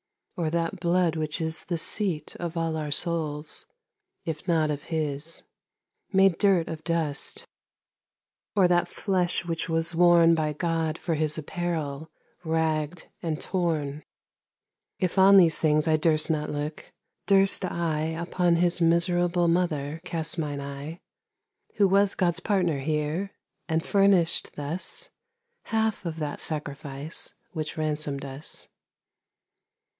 or that blood which isThe seat of all our Soules, if not of his, Made durt of dust, or that flesh which was worneBy God, for his apparell, rag'd, and torne? If on these things I durst not looke, durst IUpon his miserable mother cast mine eye, Who was Gods partner here, and furnish'd thusHalfe of that Sacrifice, which ransom'd us?